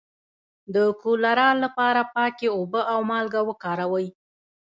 د کولرا لپاره پاکې اوبه او مالګه وکاروئ